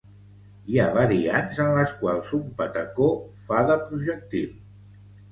Hi ha variants en les quals un patacó fa de projectil.